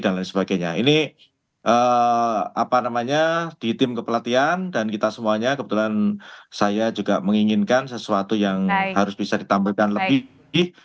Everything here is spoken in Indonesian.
dan lain sebagainya ini apa namanya di tim kepelatihan dan kita semuanya kebetulan saya juga menginginkan sesuatu yang harus bisa ditampilkan lebih